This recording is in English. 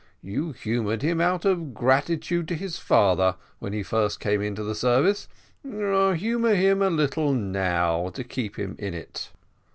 You humoured him out of gratitude to his father, when he first came into the service; humour him a little now to keep him in it.